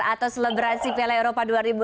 atau selebrasi piala eropa dua ribu enam belas